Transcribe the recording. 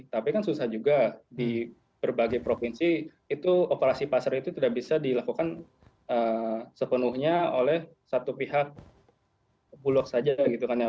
tapi kan susah juga di berbagai provinsi itu operasi pasar itu tidak bisa dilakukan sepenuhnya oleh satu pihak bulog saja gitu kan ya